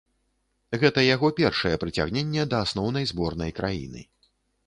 Гэта яго першае прыцягненне да асноўнай зборнай краіны.